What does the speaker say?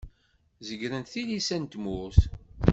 Zegrent tilisa n tmurt.